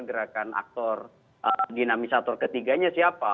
gerakan aktor dinamisator ketiganya siapa